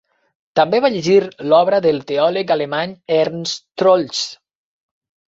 També va llegir l'obra del teòleg alemany Ernst Troeltsch.